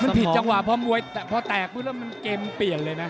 มันผิดจังหวะพอมวยพอแตกปุ๊บแล้วมันเกมเปลี่ยนเลยนะ